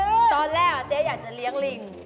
ตอนแรกเจ๊อยากจะเลี้ยงลิง